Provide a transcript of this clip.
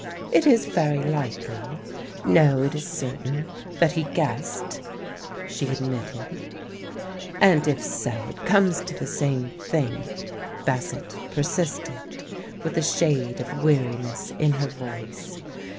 "It is very likely no, it is certain that he guessed," she admitted. "And if so, it comes to the same thing," Bassett persisted, with a shade of weariness in her voice.